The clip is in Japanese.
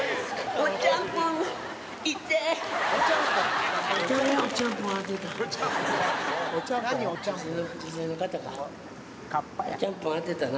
おちゃんぽん当てたな。